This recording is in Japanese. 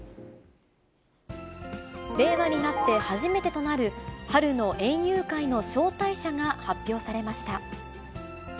令和になって初めてとなる、春の園遊会の招待者が発表されました。